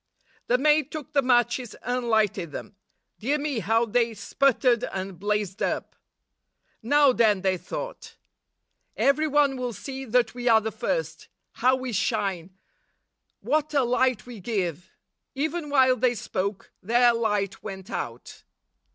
The maid took the matches and lighted them; dear me, how they sputtered and blazed up ! 'Now then,' they thought, 'every one will see that we are the first. How we shine! What a light we give!' Even while they spoke, their light went out."